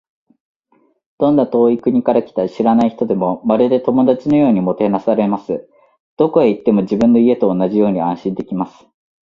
どんな遠い国から来た知らない人でも、まるで友達のようにもてなされます。どこへ行っても、自分の家と同じように安心できます。